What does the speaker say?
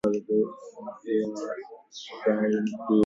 She had to undergo an immediate radical hysterectomy to treat the disease.